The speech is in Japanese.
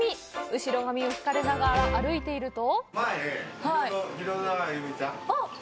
後ろ髪を引かれながら歩いていると。